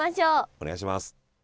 お願いします。